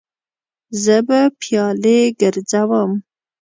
زه به پیالې ګرځوم.